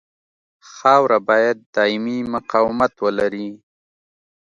خاوره باید دایمي مقاومت ولري